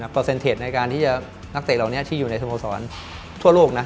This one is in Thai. เซ็นเทจในการที่จะนักเตะเหล่านี้ที่อยู่ในสโมสรทั่วโลกนะ